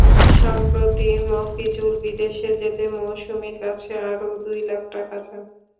সম্প্রতি মফিজুল বিদেশে যেতে মৌসুমীর কাছে আরও দুই লাখ টাকা চান।